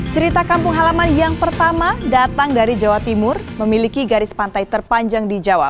cerita kampung halaman yang pertama datang dari jawa timur memiliki garis pantai terpanjang di jawa